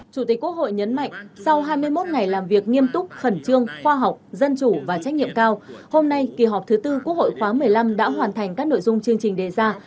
chủ tịch quốc hội nhấn mạnh sau hai mươi một ngày làm việc nghiêm túc khẩn trương khoa học dân chủ và trách nhiệm cao hôm nay kỳ họp thứ tư quốc hội khóa một mươi năm đã hoàn thành các nội dung chương trình đề ra